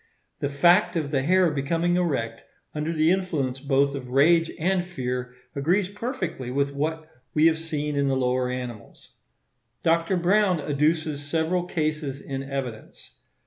The fact of the hair becoming erect under the influence both of rage and fear agrees perfectly with what we have seen in the lower animals. Dr. Browne adduces several cases in evidence.